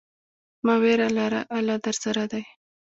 مه ویره لره، الله درسره دی.